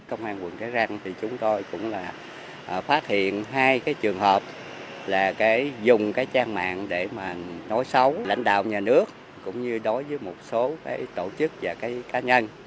công an quận cái răng chúng tôi cũng phát hiện hai trường hợp là dùng trang mạng để nói xấu lãnh đạo nhà nước cũng như đối với một số tổ chức và cá nhân